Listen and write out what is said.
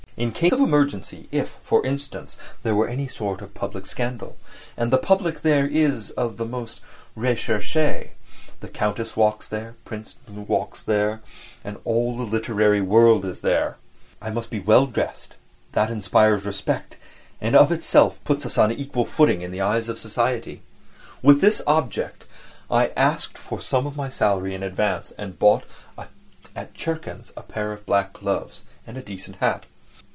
"In case of emergency, if, for instance, there were any sort of public scandal (and the public there is of the most recherché: the Countess walks there; Prince D. walks there; all the literary world is there), I must be well dressed; that inspires respect and of itself puts us on an equal footing in the eyes of the society." With this object I asked for some of my salary in advance, and bought at Tchurkin's a pair of black gloves and a decent hat.